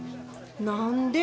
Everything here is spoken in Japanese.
何で？